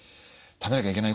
はい。